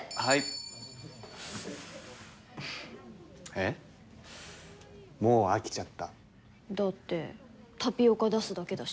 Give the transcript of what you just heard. えっもう飽きちゃった？だってタピオカ出すだけだし。